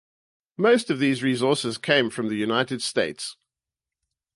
Most of these resources came from the United States.